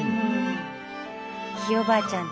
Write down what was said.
ひいおばあちゃんだ。